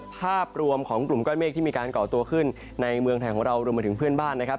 ภาพรวมของกลุ่มก้อนเมฆที่มีการก่อตัวขึ้นในเมืองไทยของเรารวมไปถึงเพื่อนบ้านนะครับ